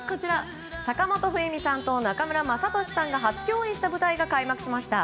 坂本冬美さんと中村雅俊さんが初共演した舞台が開幕しました。